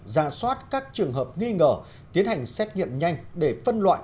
ra soát các trường hợp nghi ngờ tiến hành xét nghiệm nhanh để phân loại